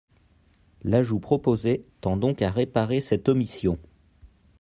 L’ajout proposé tend donc à réparer cette omission.